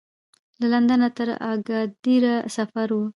له لندنه تر اګادیره سفر و.